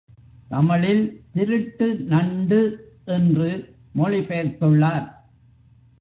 தமிழில் திருட்டு நண்டு என்று மொழி பெயர்த்துள்ளார்.